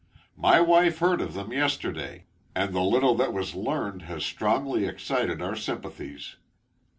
My wife heard of them yesterday; and the little that was learned, has strongly excited our sympathies.